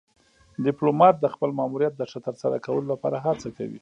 ډيپلومات د خپل ماموریت د ښه ترسره کولو لپاره هڅه کوي.